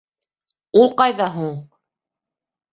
Ул ҡайҙа һуң?